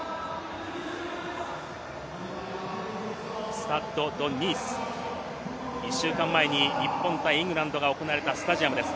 スタッド・ド・ニース、１週間前に日本対イングランドが行われたスタジアムです。